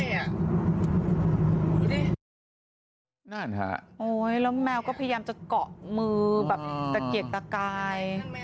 นั่นฮะโอ๊ยแล้วแมวก็พยายามจะเกาะมือแบบตะเกียกตะกาย